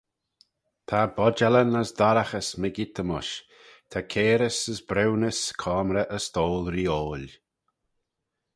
Ta bodjallyn as dorraghys mygeayrt-y-mysh: ta cairys as briwnys coamrey e stoyl-reeoil.